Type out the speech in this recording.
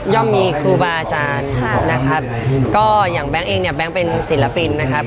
มีครูบาอาจารย์นะครับก็อย่างแบงค์เองเนี่ยแก๊งเป็นศิลปินนะครับ